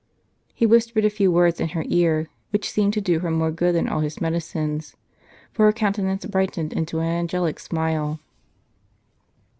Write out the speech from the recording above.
He whispered a few words in her ear, which seemed to do her more good than all his medi cines ; for her countenance brightened into an angelic smile.